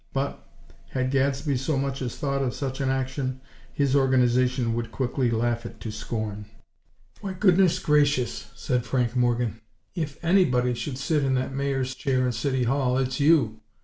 But, had Gadsby so much as thought of such an action, his Organization would quickly laugh it to scorn. "Why, good gracious!" said Frank Morgan, "if anybody should sit in that Mayor's chair in City Hall, it's you!